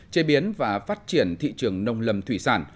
chế biến và phát triển thị trường nông lâm thủy sản